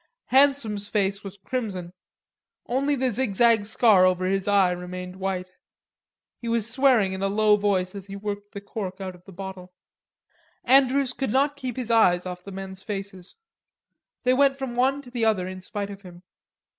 Handsome's face was crimson. Only the zigzag scar over his eye remained white. He was swearing in a low voice as he worked the cork out of the bottle. Andrews could not keep his eyes off the men's faces. They went from one to the other, in spite of him.